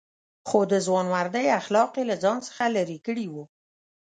خو د ځوانمردۍ اخلاق یې له ځان څخه لرې کړي وو.